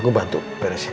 aku bantu pada sama